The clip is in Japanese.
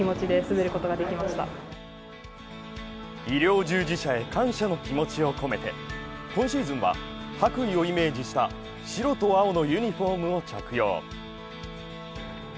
医療従事者へ感謝の気持ちを込めて、今シーズンは白衣をイメージした白と青のユニフォームを着用。